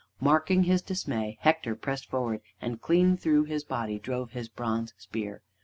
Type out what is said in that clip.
Marking his dismay, Hector pressed forward, and clean through his body drove his bronze spear.